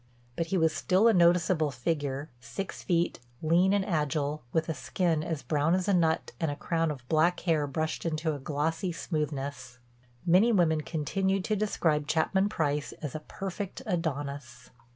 But he was still a noticeable figure, six feet, lean and agile, with a skin as brown as a nut and a crown of black hair brushed to a glossy smoothness. Many women continued to describe Chapman Price as "a perfect Adonis."